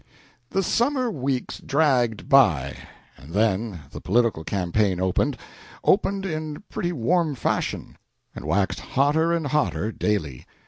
The summer weeks dragged by, and then the political campaign opened opened in pretty warm fashion, and waxed hotter and hotter daily.